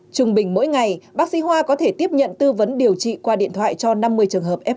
trung bình mỗi ngày bác sĩ hoa có thể tiếp nhận tư vấn điều trị qua điện thoại cho năm mươi trường hợp f một